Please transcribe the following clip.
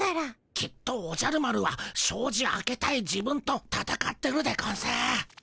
きっとおじゃる丸はしょうじ開けたい自分とたたかってるでゴンス。